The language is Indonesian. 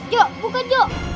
jok buka jok